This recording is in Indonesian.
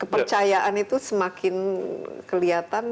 kepercayaan itu semakin kelihatan